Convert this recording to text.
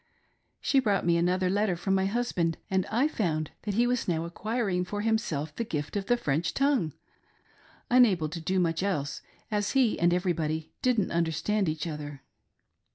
She brought me another letter from my hus band, and I found that he was now acquiring for himself the " gift" of the French tongue, unable to do much else, as he and everybody didn't understand each other.